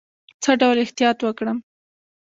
څه ډول احتیاط وکړم؟